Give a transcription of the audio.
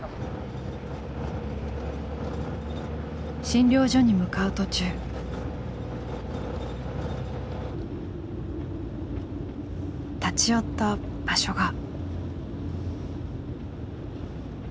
診療所に向かう途中立ち寄った場所が。